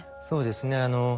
そうですね。